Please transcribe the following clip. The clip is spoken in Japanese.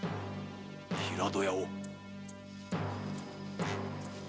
平戸屋を。